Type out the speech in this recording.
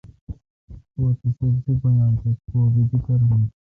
کوتو سبزی بویا تہ کو بی دی کارونی تھاں